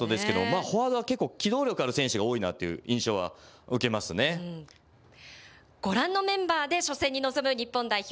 フォワードは結構機動力ある選手が多いなっていう印象は受けご覧のメンバーで初戦に臨む日本代表。